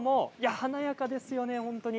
華やかですよね。